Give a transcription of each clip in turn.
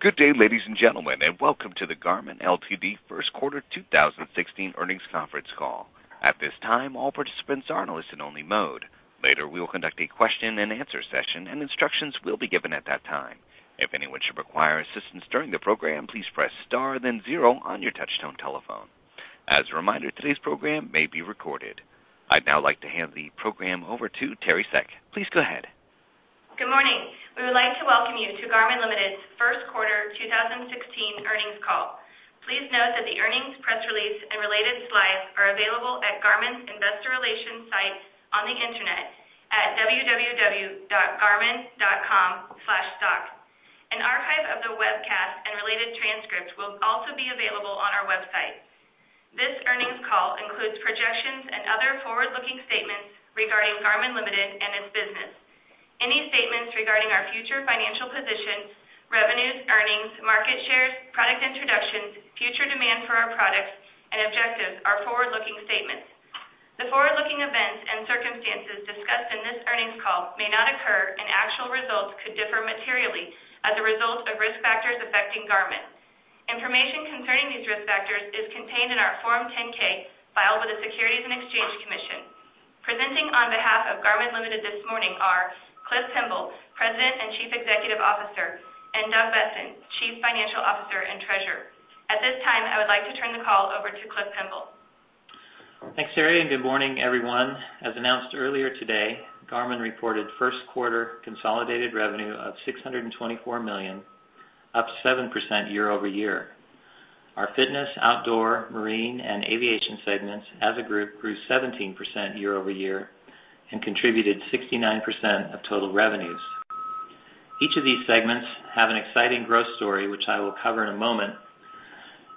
Good day, ladies and gentlemen, and welcome to the Garmin Ltd. First Quarter 2016 Earnings Conference Call. At this time, all participants are in listen only mode. Later, we will conduct a question and answer session, and instructions will be given at that time. If anyone should require assistance during the program, please press star then zero on your touchtone telephone. As a reminder, today's program may be recorded. I'd now like to hand the program over to Teri Seck. Please go ahead. Good morning. We would like to welcome you to Garmin Ltd.'s first quarter 2016 earnings call. Please note that the earnings press release and related slides are available at Garmin's investor relations site on the internet at www.garmin.com/stock. An archive of the webcast and related transcript will also be available on our website. This earnings call includes projections and other forward-looking statements regarding Garmin Ltd. and its business. Any statements regarding our future financial position, revenues, earnings, market shares, product introductions, future demand for our products and objectives are forward-looking statements. The forward-looking events and circumstances discussed in this earnings call may not occur, and actual results could differ materially as a result of risk factors affecting Garmin. Information concerning these risk factors is contained in our Form 10-K filed with the Securities and Exchange Commission. Presenting on behalf of Garmin Ltd. this morning are Cliff Pemble, President and Chief Executive Officer, and Doug Boessen, Chief Financial Officer and Treasurer. At this time, I would like to turn the call over to Cliff Pemble. Thanks, Teri, and good morning, everyone. As announced earlier today, Garmin reported first quarter consolidated revenue of $624 million, up 7% year-over-year. Our Fitness, Outdoor, Marine and Aviation segments as a group grew 17% year-over-year and contributed 69% of total revenues. Each of these segments have an exciting growth story, which I will cover in a moment.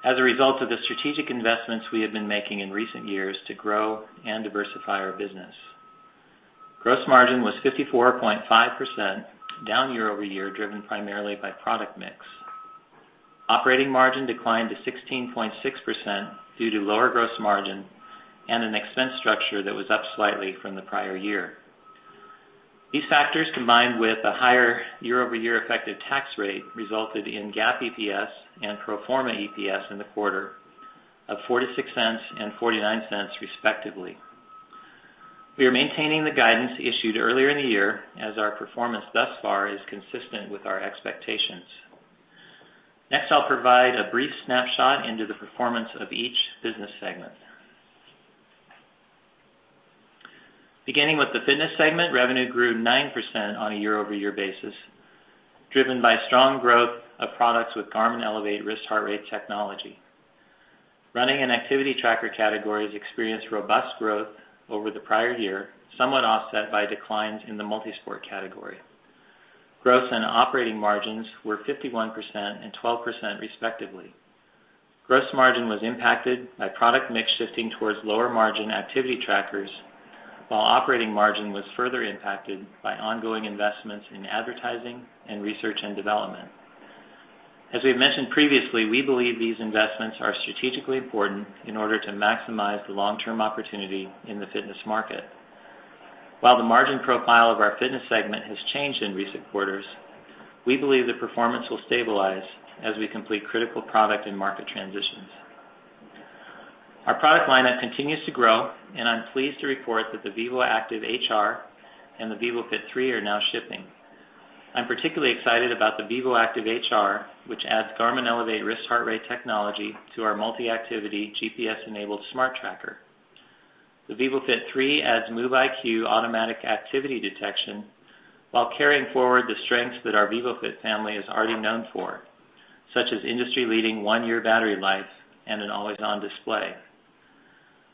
As a result of the strategic investments we have been making in recent years to grow and diversify our business. Gross margin was 54.5% down year-over-year, driven primarily by product mix. Operating margin declined to 16.6% due to lower gross margin and an expense structure that was up slightly from the prior year. These factors, combined with a higher year-over-year effective tax rate, resulted in GAAP EPS and pro forma EPS in the quarter of $0.46 and $0.49, respectively. We are maintaining the guidance issued earlier in the year as our performance thus far is consistent with our expectations. I'll provide a brief snapshot into the performance of each business segment. Beginning with the fitness segment, revenue grew 9% on a year-over-year basis, driven by strong growth of products with Garmin Elevate wrist heart rate technology. Running and activity tracker categories experienced robust growth over the prior year, somewhat offset by declines in the multi-sport category. Gross and operating margins were 51% and 12%, respectively. Gross margin was impacted by product mix shifting towards lower margin activity trackers, while operating margin was further impacted by ongoing investments in advertising and research and development. As we've mentioned previously, we believe these investments are strategically important in order to maximize the long-term opportunity in the fitness market. While the margin profile of our fitness segment has changed in recent quarters, we believe the performance will stabilize as we complete critical product and market transitions. Our product lineup continues to grow, and I'm pleased to report that the vívoactive HR and the vívofit 3 are now shipping. I'm particularly excited about the vívoactive HR, which adds Garmin Elevate wrist heart rate technology to our multi-activity GPS-enabled smart tracker. The vívofit 3 adds Move IQ automatic activity detection while carrying forward the strengths that our vívofit family is already known for, such as industry-leading one-year battery life and an always-on display.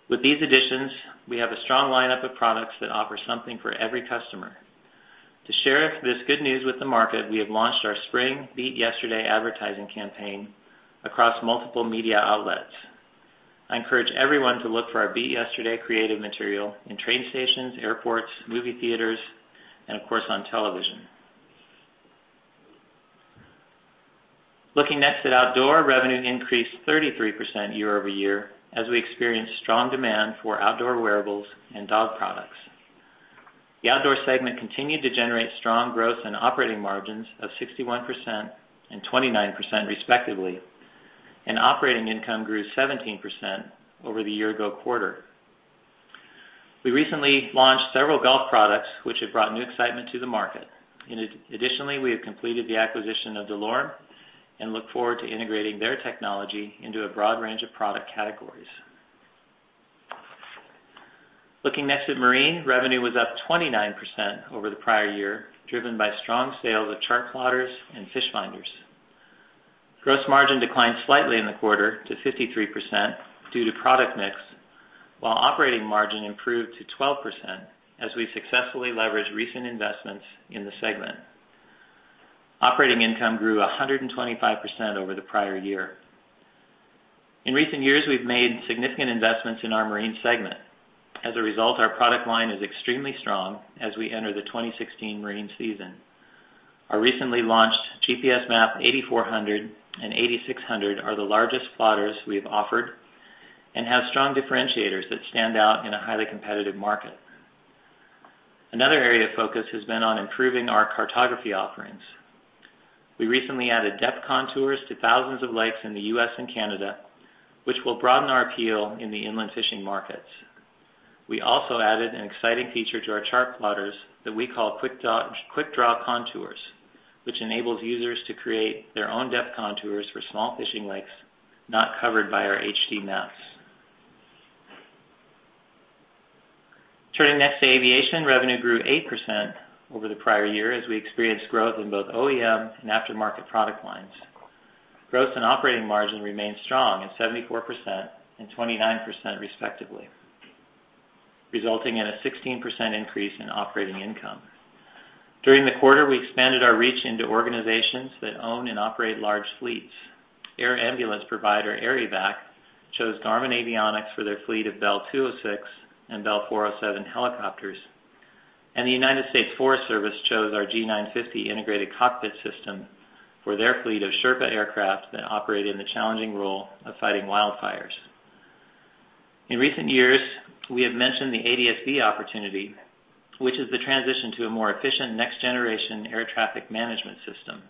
With these additions, we have a strong lineup of products that offer something for every customer. To share this good news with the market, we have launched our spring Beat Yesterday advertising campaign across multiple media outlets. I encourage everyone to look for our Beat Yesterday creative material in train stations, airports, movie theaters, and of course, on television. Looking next at outdoor, revenue increased 33% year-over-year as we experienced strong demand for outdoor wearables and dog products. The outdoor segment continued to generate strong gross and operating margins of 61% and 29%, respectively, and operating income grew 17% over the year ago quarter. We recently launched several golf products, which have brought new excitement to the market. Additionally, we have completed the acquisition of DeLorme and look forward to integrating their technology into a broad range of product categories. Looking next at Marine, revenue was up 29% over the prior year, driven by strong sales of chart plotters and fish finders. Gross margin declined slightly in the quarter to 53% due to product mix, while operating margin improved to 12% as we successfully leveraged recent investments in the segment. Operating income grew 125% over the prior year. In recent years, we've made significant investments in our marine segment. As a result, our product line is extremely strong as we enter the 2016 marine season. Our recently launched GPSMAP 8400 and 8600 are the largest plotters we have offered and have strong differentiators that stand out in a highly competitive market. Another area of focus has been on improving our cartography offerings. We recently added depth contours to thousands of lakes in the U.S. and Canada, which will broaden our appeal in the inland fishing markets. We also added an exciting feature to our chart plotters that we call Quickdraw Contours, which enables users to create their own depth contours for small fishing lakes not covered by our HD maps. Turning next to aviation, revenue grew 8% over the prior year as we experienced growth in both OEM and aftermarket product lines. Growth and operating margin remained strong at 74% and 29%, respectively, resulting in a 16% increase in operating income. During the quarter, we expanded our reach into organizations that own and operate large fleets. Air Evac chose Garmin Avionics for their fleet of Bell 206 and Bell 407 helicopters. The United States Forest Service chose our G950 integrated cockpit system for their fleet of Sherpa aircraft that operate in the challenging role of fighting wildfires. In recent years, we have mentioned the ADS-B opportunity, which is the transition to a more efficient next-generation air traffic management system.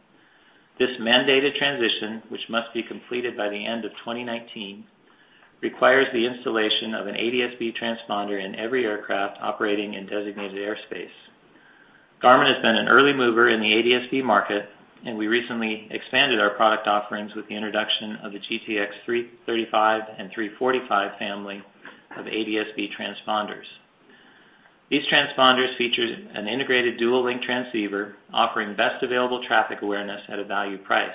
This mandated transition, which must be completed by the end of 2019, requires the installation of an ADS-B transponder in every aircraft operating in designated airspace. Garmin has been an early mover in the ADS-B market, and we recently expanded our product offerings with the introduction of the GTX 335 and 345 family of ADS-B transponders. These transponders feature an integrated dual link transceiver offering best available traffic awareness at a value price.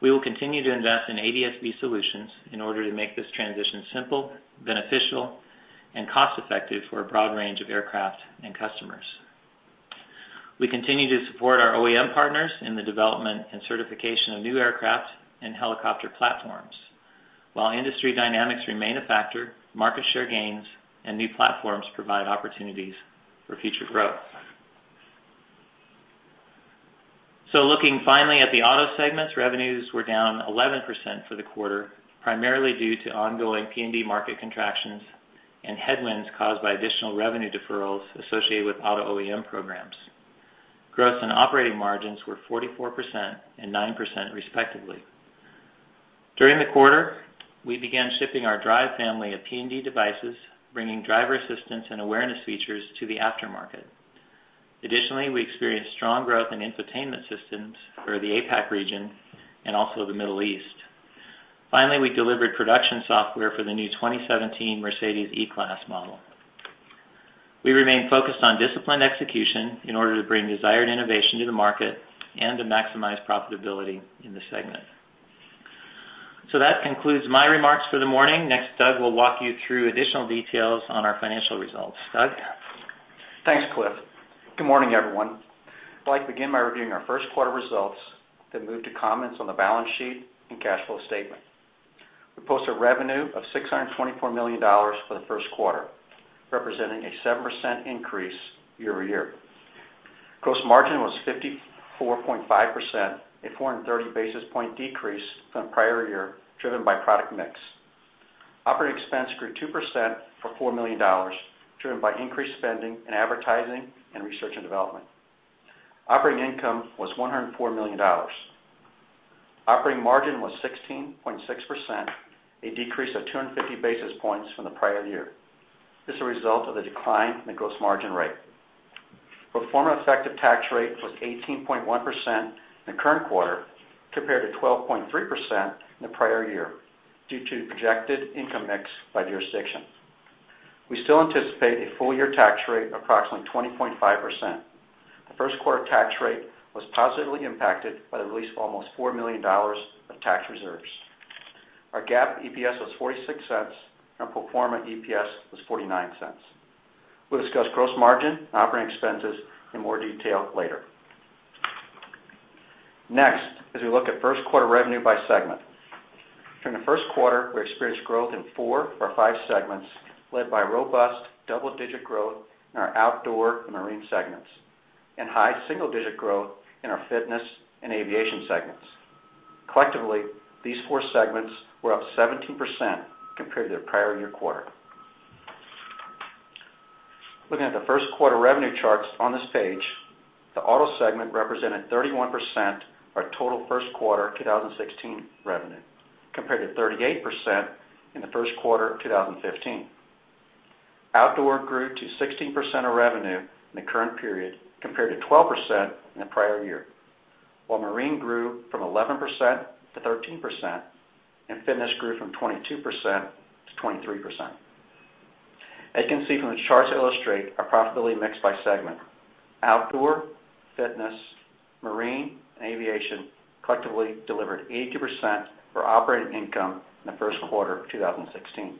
We will continue to invest in ADS-B solutions in order to make this transition simple, beneficial, and cost-effective for a broad range of aircraft and customers. We continue to support our OEM partners in the development and certification of new aircraft and helicopter platforms. While industry dynamics remain a factor, market share gains and new platforms provide opportunities for future growth. Looking finally at the auto segments, revenues were down 11% for the quarter, primarily due to ongoing PND market contractions and headwinds caused by additional revenue deferrals associated with auto OEM programs. Growth and operating margins were 44% and 9%, respectively. During the quarter, we began shipping our Drive family of PND devices, bringing driver assistance and awareness features to the aftermarket. Additionally, we experienced strong growth in infotainment systems for the APAC region and also the Middle East. We delivered production software for the new 2017 Mercedes E-Class model. We remain focused on disciplined execution in order to bring desired innovation to the market and to maximize profitability in the segment. That concludes my remarks for the morning. Next, Doug will walk you through additional details on our financial results. Doug? Thanks, Cliff. Good morning, everyone. I'd like to begin by reviewing our first quarter results, then move to comments on the balance sheet and cash flow statement. We posted revenue of $624 million for the first quarter, representing a 7% increase year-over-year. Gross margin was 54.5%, a 430 basis point decrease from the prior year, driven by product mix. Operating expense grew 2% by $4 million, driven by increased spending in advertising and research and development. Operating income was $104 million. Operating margin was 16.6%, a decrease of 250 basis points from the prior year. This is a result of the decline in the gross margin rate. Pro forma effective tax rate was 18.1% in the current quarter, compared to 12.3% in the prior year, due to projected income mix by jurisdiction. We still anticipate a full-year tax rate of approximately 20.5%. The first quarter tax rate was positively impacted by the release of almost $4 million of tax reserves. Our GAAP EPS was $0.46, and our pro forma EPS was $0.49. We'll discuss gross margin and operating expenses in more detail later. Next, as we look at first quarter revenue by segment. During the first quarter, we experienced growth in four of our five segments, led by robust double-digit growth in our Outdoor and Marine segments, and high single-digit growth in our Fitness and Aviation segments. Collectively, these four segments were up 17% compared to the prior year quarter. Looking at the first quarter revenue charts on this page, the Auto segment represented 31% of our total first quarter 2016 revenue, compared to 38% in the first quarter of 2015. Outdoor grew to 16% of revenue in the current period, compared to 12% in the prior year. While Marine grew from 11% to 13%, and Fitness grew from 22% to 23%. As you can see from the charts that illustrate our profitability mix by segment, Outdoor, Fitness, Marine, and Aviation collectively delivered 82% of operating income in the first quarter of 2016.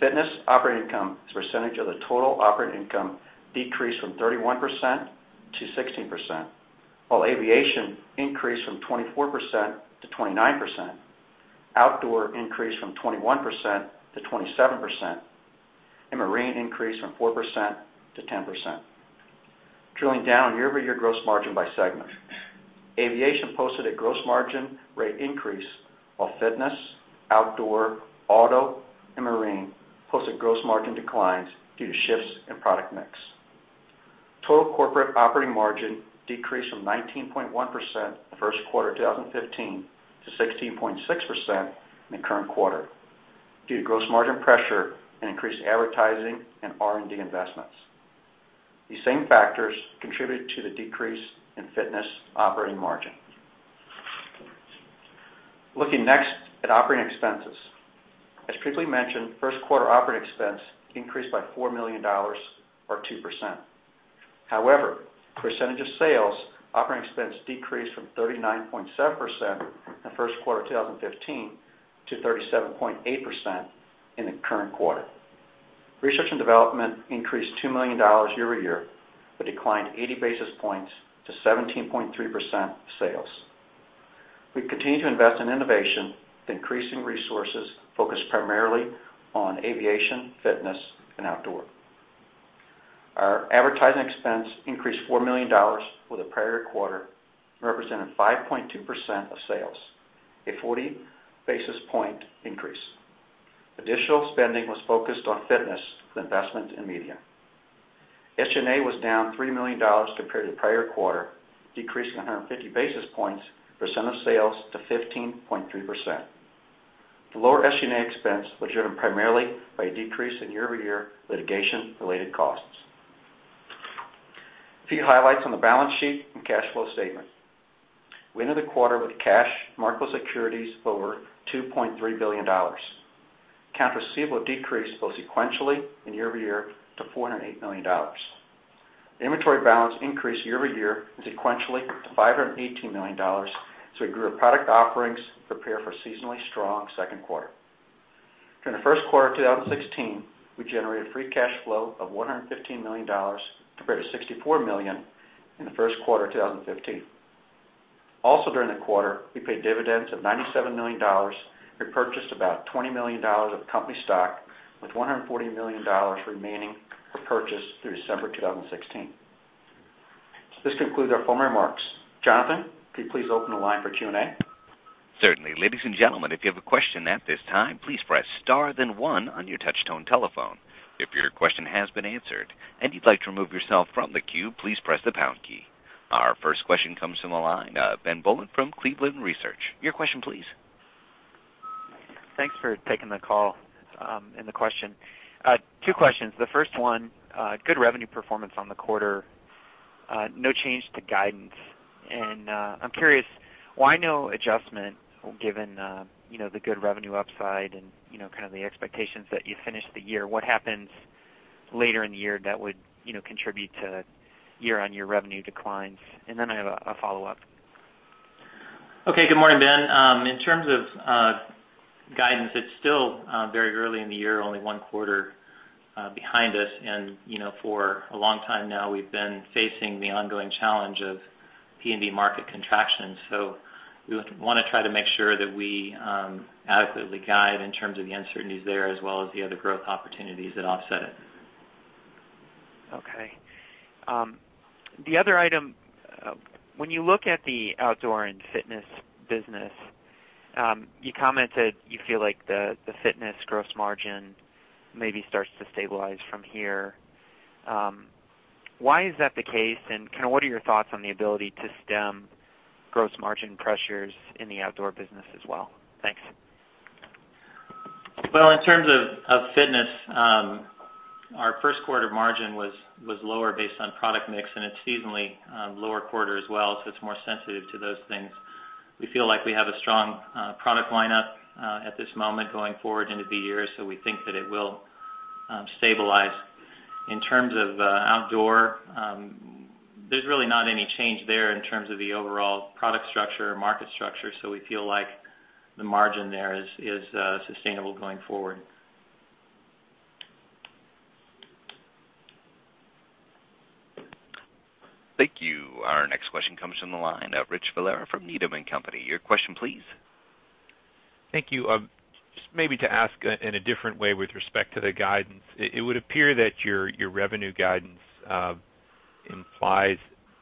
Fitness operating income as a percentage of the total operating income decreased from 31% to 16%, while Aviation increased from 24% to 29%, Outdoor increased from 21% to 27%, and Marine increased from 4% to 10%. Drilling down year-over-year gross margin by segment. Aviation posted a gross margin rate increase while Fitness, Outdoor, Auto, and Marine posted gross margin declines due to shifts in product mix. Total corporate operating margin decreased from 19.1% in the first quarter 2015 to 16.6% in the current quarter due to gross margin pressure and increased advertising and R&D investments. These same factors contributed to the decrease in Fitness operating margin. Looking next at operating expenses. As previously mentioned, first quarter operating expense increased by $4 million or 2%. However, percentage of sales, operating expense decreased from 39.7% in the first quarter 2015 to 37.8% in the current quarter. Research and development increased $2 million year-over-year, but declined 80 basis points to 17.3% of sales. We continue to invest in innovation with increasing resources focused primarily on Aviation, Fitness, and Outdoor. Our advertising expense increased $4 million from the prior quarter and represented 5.2% of sales, a 40 basis point increase. Additional spending was focused on Fitness with investment in media. SG&A was down $3 million compared to the prior quarter, decreasing 150 basis points percent of sales to 15.3%. The lower SG&A expense was driven primarily by a decrease in year-over-year litigation-related costs. A few highlights on the balance sheet and cash flow statement. We ended the quarter with cash, marketable securities over $2.3 billion. Account receivable decreased both sequentially and year-over-year to $408 million. The inventory balance increased year-over-year and sequentially to $518 million as we grew our product offerings to prepare for a seasonally strong second quarter. During the first quarter of 2016, we generated free cash flow of $115 million compared to $64 million in the first quarter 2015. Also, during the quarter, we paid dividends of $97 million, repurchased about $20 million of company stock with $140 million remaining for purchase through December 2016. This concludes our formal remarks. Jonathan, could you please open the line for Q&A? Certainly. Ladies and gentlemen, if you have a question at this time, please press star then one on your touch tone telephone. If your question has been answered and you'd like to remove yourself from the queue, please press the pound key. Our first question comes from the line of Ben Bollin from Cleveland Research Company. Your question, please. Thanks for taking the call, the question. Two questions. The first one, good revenue performance on the quarter, no change to guidance. I'm curious why no adjustment given the good revenue upside and the expectations that you finish the year? What happens later in the year that would contribute to year-on-year revenue declines? I have a follow-up. Okay. Good morning, Ben. In terms of guidance, it's still very early in the year, only one quarter behind us. For a long time now, we've been facing the ongoing challenge of PND market contractions. We want to try to make sure that we adequately guide in terms of the uncertainties there as well as the other growth opportunities that offset it. Okay. The other item, when you look at the Outdoor and Fitness business, you commented you feel like the Fitness gross margin maybe starts to stabilize from here. Why is that the case, and what are your thoughts on the ability to stem gross margin pressures in the Outdoor business as well? Thanks. In terms of Fitness, our first quarter margin was lower based on product mix. It's seasonally lower quarter as well, it's more sensitive to those things. We feel like we have a strong product lineup at this moment going forward into the year, we think that it will stabilize. In terms of Outdoor, there's really not any change there in terms of the overall product structure or market structure. We feel like the margin there is sustainable going forward. Thank you. Our next question comes from the line of Richard Valera from Needham & Company. Your question, please. Thank you. Just maybe to ask in a different way with respect to the guidance, it would appear that your revenue guidance implies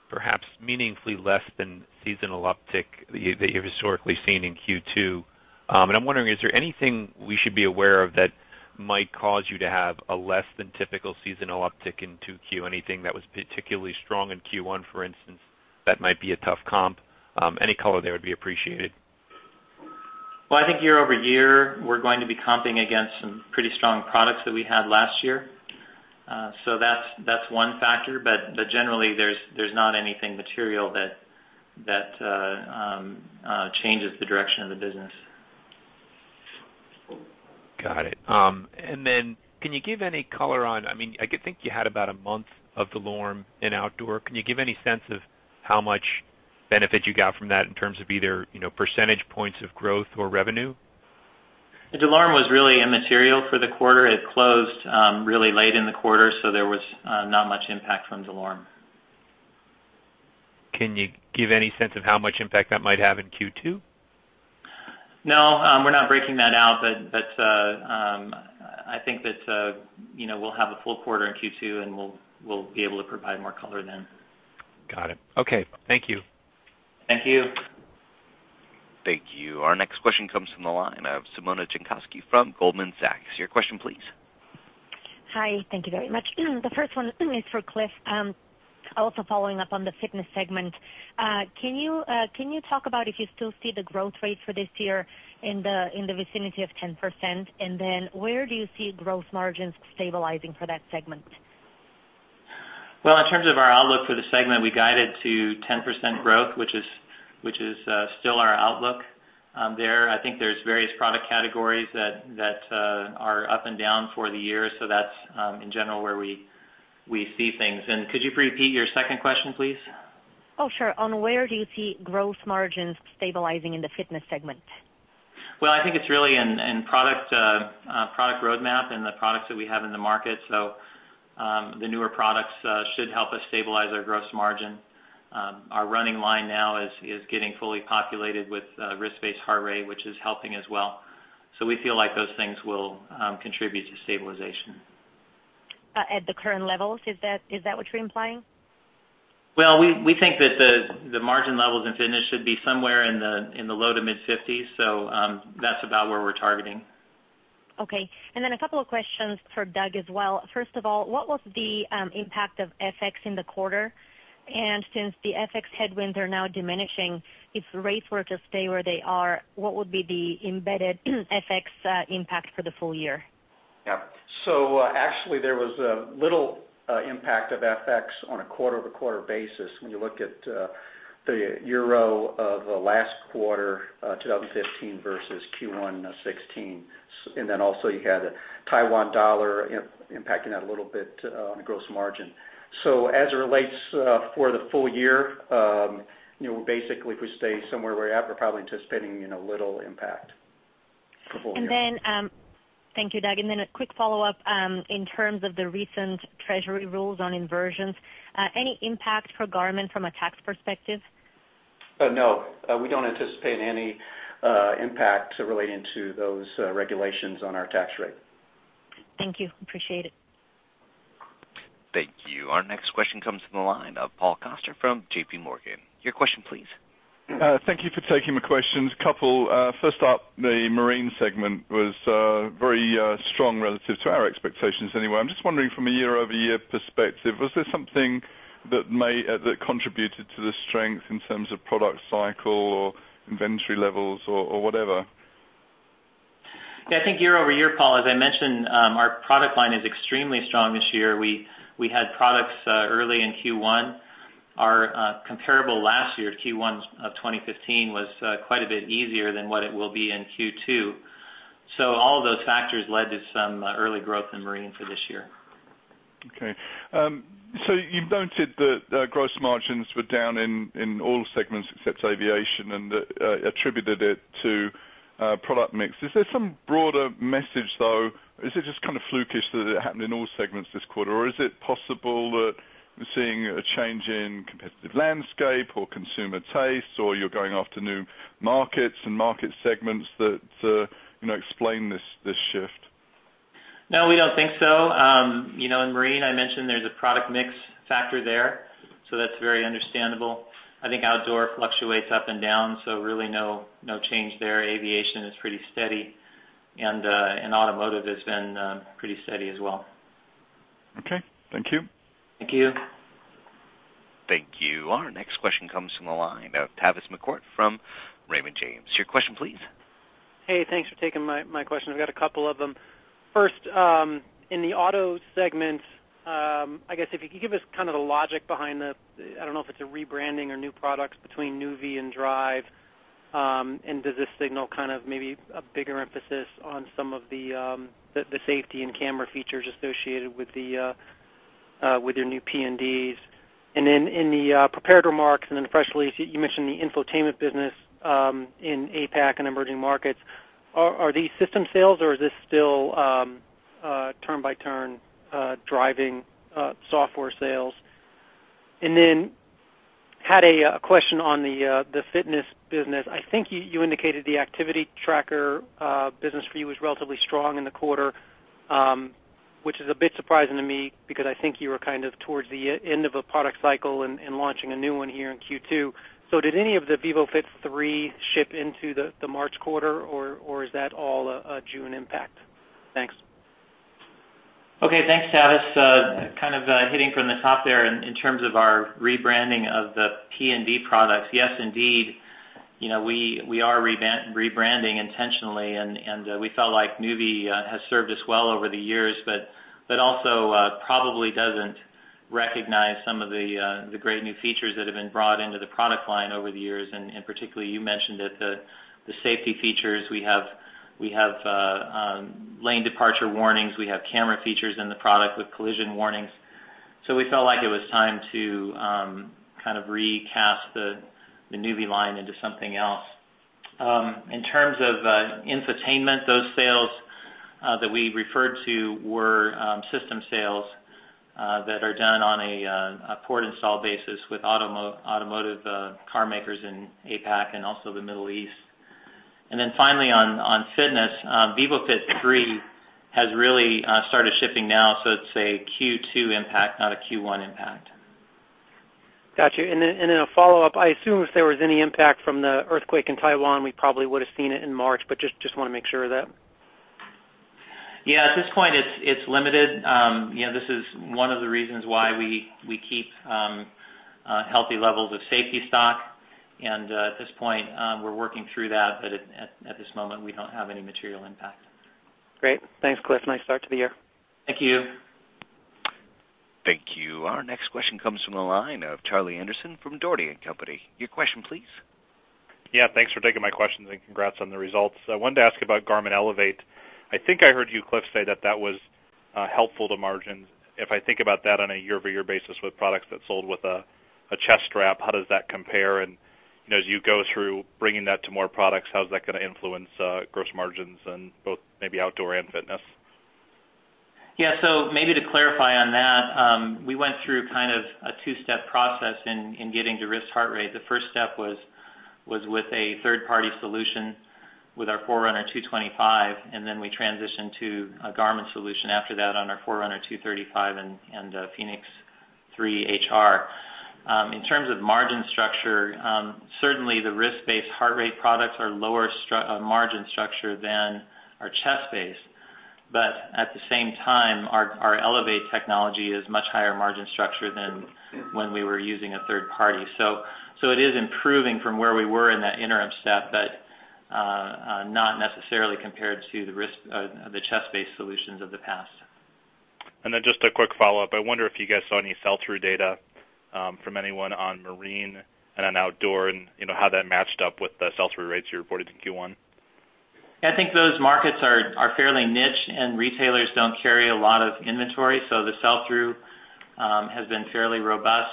perhaps meaningfully less than seasonal uptick that you've historically seen in Q2. I'm wondering, is there anything we should be aware of that might cause you to have a less than typical seasonal uptick in 2Q? Anything that was particularly strong in Q1, for instance, that might be a tough comp? Any color there would be appreciated. I think year-over-year, we're going to be comping against some pretty strong products that we had last year. That's one factor. Generally, there's not anything material that changes the direction of the business. Got it. Can you give any color on, I think you had about a month of DeLorme in Outdoor. Can you give any sense of how much benefit you got from that in terms of either percentage points of growth or revenue? DeLorme was really immaterial for the quarter. It closed really late in the quarter, so there was not much impact from DeLorme. Can you give any sense of how much impact that might have in Q2? No, we're not breaking that out. I think that we'll have a full quarter in Q2, and we'll be able to provide more color then. Got it. Okay. Thank you. Thank you. Thank you. Our next question comes from the line of Simona Jankowski from Goldman Sachs. Your question, please. Hi. Thank you very much. The first one is for Cliff. Following up on the fitness segment. Can you talk about if you still see the growth rate for this year in the vicinity of 10%? Where do you see growth margins stabilizing for that segment? Well, in terms of our outlook for the segment, we guided to 10% growth, which is still our outlook there. I think there's various product categories that are up and down for the year. That's, in general, where we see things. Could you repeat your second question, please? Sure. On where do you see growth margins stabilizing in the fitness segment? Well, I think it's really in product roadmap and the products that we have in the market. The newer products should help us stabilize our gross margin. Our running line now is getting fully populated with wrist-based heart rate, which is helping as well. We feel like those things will contribute to stabilization. At the current levels, is that what you're implying? Well, we think that the margin levels in fitness should be somewhere in the low to mid-50s. That's about where we're targeting. Okay. A couple of questions for Doug as well. First of all, what was the impact of FX in the quarter? Since the FX headwinds are now diminishing, if rates were to stay where they are, what would be the embedded FX impact for the full year? Yeah. Actually, there was little impact of FX on a quarter-over-quarter basis when you look at the euro of the last quarter 2015 versus Q1 2016. Also, you had the Taiwan dollar impacting that a little bit on the gross margin. As it relates for the full year, basically, if we stay somewhere where we're at, we're probably anticipating little impact for full year. Thank you, Doug. Then a quick follow-up, in terms of the recent treasury rules on inversions, any impact for Garmin from a tax perspective? No. We don't anticipate any impact relating to those regulations on our tax rate. Thank you. Appreciate it. Thank you. Our next question comes from the line of Paul Coster from J.P. Morgan. Your question please. Thank you for taking my questions, couple. First up, the marine segment was very strong relative to our expectations anyway. I'm just wondering from a year-over-year perspective, was there something that contributed to the strength in terms of product cycle or inventory levels or whatever? Yeah, I think year-over-year, Paul, as I mentioned, our product line is extremely strong this year. We had products early in Q1. Our comparable last year, Q1 of 2015, was quite a bit easier than what it will be in Q2. All of those factors led to some early growth in marine for this year. Okay. You've noted that gross margins were down in all segments except aviation and attributed it to product mix. Is there some broader message, though? Is it just kind of flukish that it happened in all segments this quarter, or is it possible that we're seeing a change in competitive landscape or consumer taste, or you're going after new markets and market segments that explain this shift? No, we don't think so. In marine, I mentioned there's a product mix factor there, so that's very understandable. I think outdoor fluctuates up and down, so really no change there. Aviation is pretty steady, and automotive has been pretty steady as well. Okay. Thank you. Thank you. Thank you. Our next question comes from the line of Tavis McCourt from Raymond James. Your question, please. Hey, thanks for taking my question. I've got a couple of them. First, in the auto segment, I guess if you could give us kind of the logic behind the, I don't know if it's a rebranding or new products between nüvi and Drive. Does this signal kind of maybe a bigger emphasis on some of the safety and camera features associated with your new PNDs? Then in the prepared remarks, then the press release, you mentioned the infotainment business in APAC and emerging markets. Are these system sales or is this still turn-by-turn driving software sales? Then I had a question on the fitness business. I think you indicated the activity tracker business for you was relatively strong in the quarter, which is a bit surprising to me because I think you were kind of towards the end of a product cycle and launching a new one here in Q2. Did any of the vívofit 3 ship into the March quarter, or is that all a June impact? Thanks. Okay. Thanks, Tavis. Kind of hitting from the top there in terms of our rebranding of the PND products. Yes, indeed. We are rebranding intentionally, and we felt like nüvi has served us well over the years, but also probably doesn't recognize some of the great new features that have been brought into the product line over the years. Particularly, you mentioned it, the safety features. We have lane departure warnings. We have camera features in the product with collision warnings. We felt like it was time to kind of recast the nüvi line into something else. In terms of infotainment, those sales that we referred to were system sales that are done on a port install basis with automotive car makers in APAC and also the Middle East. Then finally on fitness, vívofit 3 has really started shipping now, so it's a Q2 impact, not a Q1 impact. Got you. Then a follow-up, I assume if there was any impact from the earthquake in Taiwan, we probably would've seen it in March, but just want to make sure of that. Yeah. At this point it's limited. This is one of the reasons why we keep healthy levels of safety stock, and at this point, we're working through that. But at this moment, we don't have any material impact. Great. Thanks, Cliff. Nice start to the year. Thank you. Thank you. Our next question comes from the line of Charlie Anderson from Dougherty & Company. Your question, please. Yeah. Thanks for taking my questions, and congrats on the results. I wanted to ask about Garmin Elevate. I think I heard you, Cliff, say that that was helpful to margins. If I think about that on a year-over-year basis with products that sold with a chest strap, how does that compare? As you go through bringing that to more products, how's that going to influence gross margins in both maybe outdoor and fitness? Yeah. Maybe to clarify on that, we went through kind of a two-step process in getting to wrist heart rate. The first step was with a third-party solution with our Forerunner 225. Then we transitioned to a Garmin solution after that on our Forerunner 235 and the fēnix 3 HR. In terms of margin structure, certainly the wrist-based heart rate products are lower margin structure than our chest-based. At the same time, our Elevate technology is much higher margin structure than when we were using a third party. It is improving from where we were in that interim step, but not necessarily compared to the chest-based solutions of the past. Just a quick follow-up. I wonder if you guys saw any sell-through data from anyone on marine and on outdoor and how that matched up with the sell-through rates you reported in Q1. Yeah, I think those markets are fairly niche, and retailers don't carry a lot of inventory, so the sell-through has been fairly robust.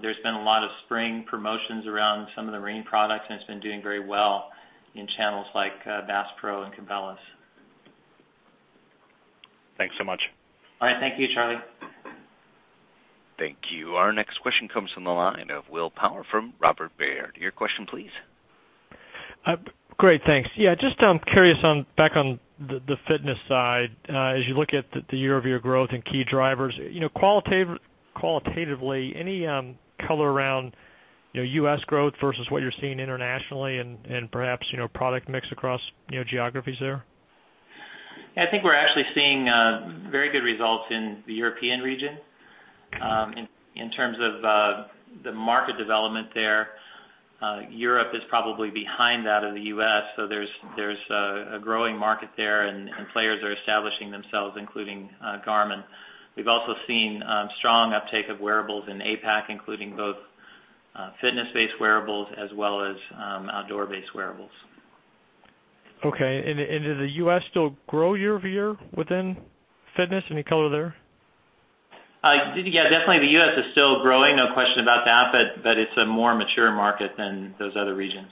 There's been a lot of spring promotions around some of the marine products, and it's been doing very well in channels like Bass Pro and Cabela's. Thanks so much. All right. Thank you, Charlie. Thank you. Our next question comes from the line of Will Power from Robert W. Baird. Your question please. Great, thanks. Yeah, just I'm curious back on the fitness side. As you look at the year-over-year growth and key drivers, qualitatively, any color around U.S. growth versus what you're seeing internationally and perhaps product mix across geographies there? Yeah, I think we're actually seeing very good results in the European region. In terms of the market development there, Europe is probably behind that of the U.S., so there's a growing market there and players are establishing themselves, including Garmin. We've also seen strong uptake of wearables in APAC, including both fitness-based wearables as well as outdoor-based wearables. Okay. Did the U.S. still grow year-over-year within fitness? Any color there? Yeah, definitely the U.S. is still growing, no question about that, but it's a more mature market than those other regions.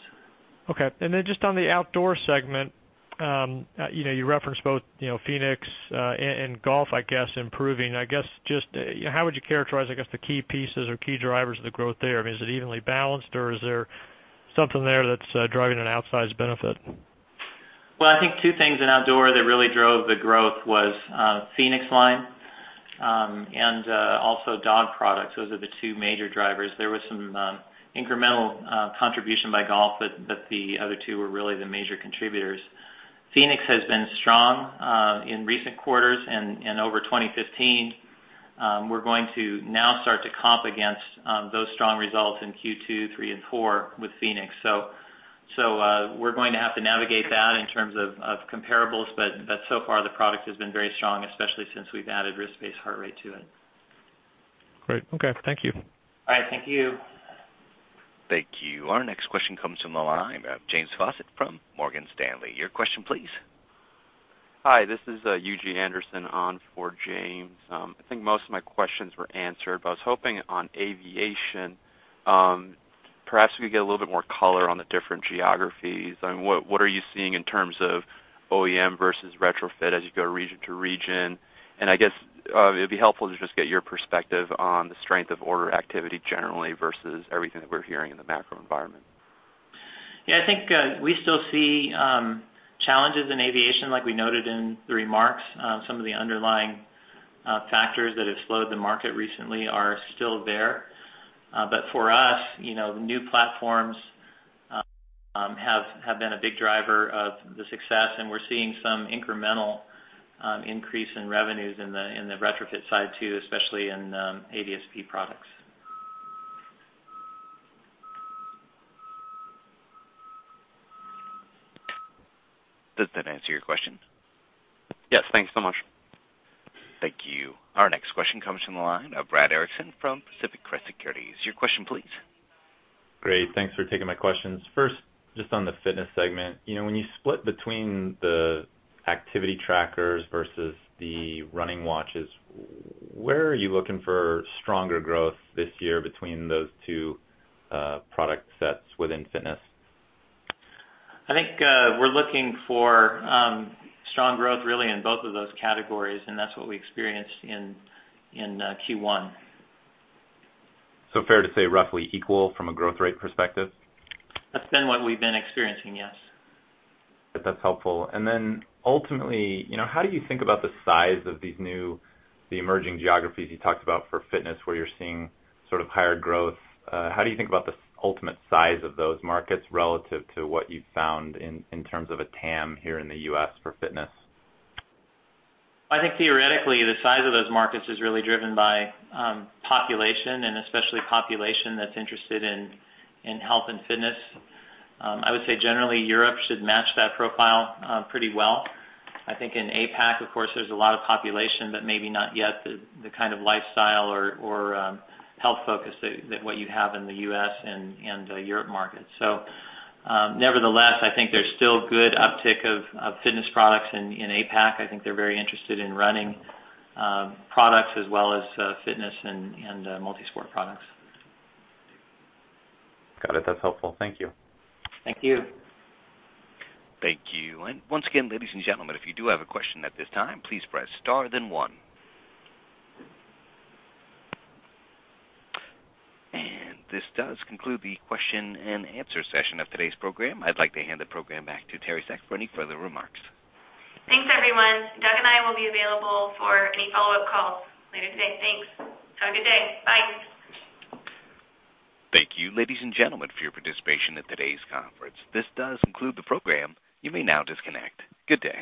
Okay. Just on the outdoor segment, you referenced both fēnix and golf, I guess, improving. I guess, just how would you characterize, I guess, the key pieces or key drivers of the growth there? I mean, is it evenly balanced, or is there something there that's driving an outsized benefit? I think two things in outdoor that really drove the growth was fēnix line, and also dog products. Those are the two major drivers. There was some incremental contribution by golf, but the other two were really the major contributors. fēnix has been strong in recent quarters and over 2015. We're going to now start to comp against those strong results in Q2, three, and four with fēnix. We're going to have to navigate that in terms of comparables, but so far the product has been very strong, especially since we've added wrist-based heart rate to it. Great. Okay. Thank you. All right. Thank you. Thank you. Our next question comes from the line of James Faucette from Morgan Stanley. Your question please. Hi, this is Eugene Anderson on for James. I think most of my questions were answered. I was hoping on aviation, perhaps we could get a little bit more color on the different geographies. What are you seeing in terms of OEM versus retrofit as you go region to region? I guess, it'd be helpful to just get your perspective on the strength of order activity generally versus everything that we're hearing in the macro environment. Yeah, I think we still see challenges in aviation, like we noted in the remarks. Some of the underlying factors that have slowed the market recently are still there. For us, the new platforms have been a big driver of the success, and we're seeing some incremental increase in revenues in the retrofit side, too, especially in ADS-B products. Does that answer your question? Yes. Thanks so much. Thank you. Our next question comes from the line of Brad Erickson from Pacific Crest Securities. Your question, please. Great. Thanks for taking my questions. First, just on the fitness segment. When you split between the activity trackers versus the running watches, where are you looking for stronger growth this year between those two product sets within fitness? I think we're looking for strong growth really in both of those categories, that's what we experienced in Q1. Fair to say roughly equal from a growth rate perspective? That's been what we've been experiencing, yes. That's helpful. Ultimately, how do you think about the size of these new, the emerging geographies you talked about for fitness, where you're seeing sort of higher growth? How do you think about the ultimate size of those markets relative to what you've found in terms of a TAM here in the U.S. for fitness? I think theoretically, the size of those markets is really driven by population, and especially population that's interested in health and fitness. I would say generally Europe should match that profile pretty well. I think in APAC, of course, there's a lot of population, but maybe not yet the kind of lifestyle or health focus that what you have in the U.S. and Europe markets. Nevertheless, I think there's still good uptick of fitness products in APAC. I think they're very interested in running products as well as fitness and multi-sport products. Got it. That's helpful. Thank you. Thank you. Thank you. Once again, ladies and gentlemen, if you do have a question at this time, please press star then one. This does conclude the question and answer session of today's program. I'd like to hand the program back to Teri Seck for any further remarks. Thanks, everyone. Doug and I will be available for any follow-up calls later today. Thanks. Have a good day. Bye. Thank you, ladies and gentlemen, for your participation in today's conference. This does conclude the program. You may now disconnect. Good day.